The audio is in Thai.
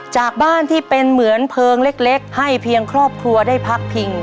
จากบ้านที่เป็นเหมือนเพลิงเล็กให้เพียงครอบครัวได้พักพิง